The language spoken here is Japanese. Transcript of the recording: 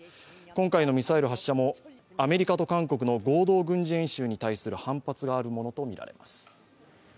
今回のミサイル発射もアメリカと韓国の合同軍事演習に対する反発があるものとみられます。